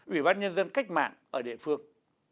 ủy ban nhân dân cách mạng ở địa phương